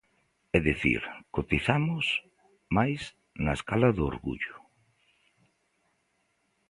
É dicir, cotizamos máis na escala do orgullo.